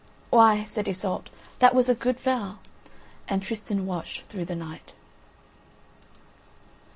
"Why," said Iseult, "that was a good vow." And Tristan watched through the night.